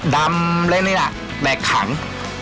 ดำแล้วนี่ล่ะแบกขัง